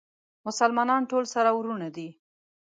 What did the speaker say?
مسلمانان ټول سره وروڼه دي